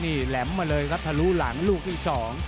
นี่แหลมมาเลยครับทะลุหลังลูกที่๒